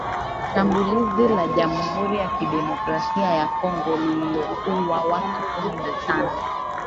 shambulizi la jamhuri ya kidemokrasia ya Kongo lililouwa watu kumi na tano